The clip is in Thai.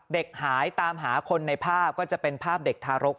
เด็กหายตามหาคนในภาพก็จะเป็นภาพเด็กทารกแรกคลอด